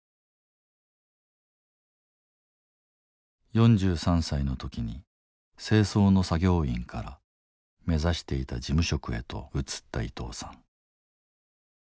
４３歳の時に清掃の作業員から目指していた事務職へと移った伊藤さん。